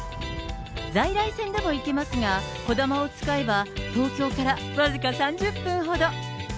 在来線でも行けますが、こだまを使えば、東京から僅か３０分ほど。